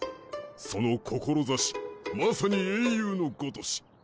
その志まさに英雄のごとし。